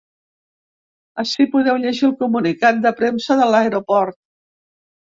Ací podeu llegir el comunicat de premsa de l’aeroport.